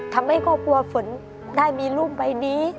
ทำให้ครอบครัวฝนได้มีรูปใบนี้